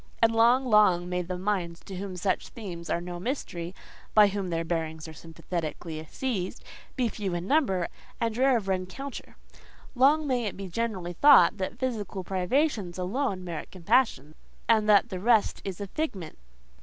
And long, long may the minds to whom such themes are no mystery—by whom their bearings are sympathetically seized—be few in number, and rare of rencounter. Long may it be generally thought that physical privations alone merit compassion, and that the rest is a figment.